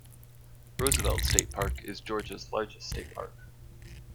Roosevelt State Park is Georgia's largest state park.